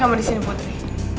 aku di sini putri